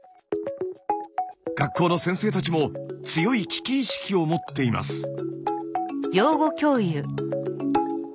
学校の先生たちも強い危機意識を持っています。